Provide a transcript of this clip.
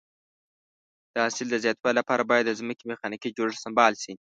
د حاصل د زیاتوالي لپاره باید د ځمکې میخانیکي جوړښت سمبال شي.